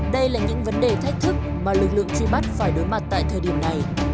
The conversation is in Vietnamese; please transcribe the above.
đây là những vấn đề thách thức mà lực lượng truy bắt phải đối mặt tại thời điểm này